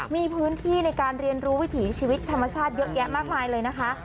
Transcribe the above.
มีพื้นที่ในการเรียนรู้วิถีชีวิตธรรมชาติเยอะแยะมากมายเลยนะคะ